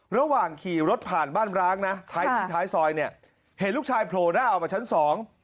ระหว่างขี่รถผ่านบ้านร้างนะท้ายซอยเนี่ยเห็นลูกชายโผล่เล่ามาชั้น๒